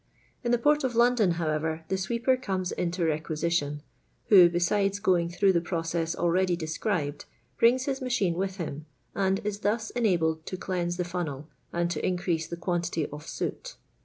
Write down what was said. In the port of London, however, the sweeper comes into requisition, who, besides going through the process already described, brings his machine with him, and is thus enabled to cleanse the funnel, and to increase the quantity of soot.